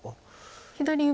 左上